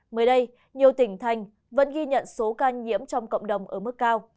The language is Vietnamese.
mới đây nhiều tỉnh thành vẫn ghi nhận số ca nhiễm trong cộng đồng ở mức cao